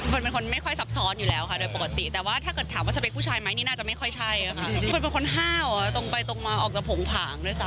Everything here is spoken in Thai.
เป็นคนเป็นคนไม่ค่อยซับซ้อนอยู่แล้วค่ะโดยปกติแต่ว่าถ้าเกิดถามสเปคพี่นิสห่ายไหมนี่น่าจะไม่ค่อยใช่ค่ะคนตรงไปตรงมาออกจากผงผ่างด้วยซ้ำ